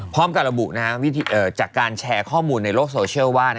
พร้อมกับระบุจากการแชร์ข้อมูลในโลกโซเชียลว่า